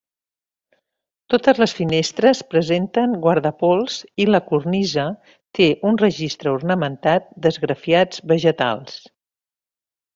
Totes les finestres presenten guardapols i la cornisa té un registre ornamentat d'esgrafiats vegetals.